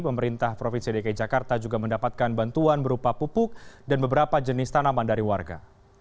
pemerintah provinsi dki jakarta juga mendapatkan bantuan berupa pupuk dan beberapa jenis tanaman dari warga